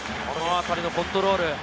このあたりのコントロール。